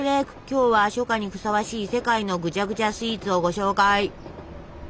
今日は初夏にふさわしい世界のぐちゃぐちゃスイーツをご紹介。